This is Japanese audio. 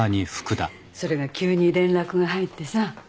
それが急に連絡が入ってさ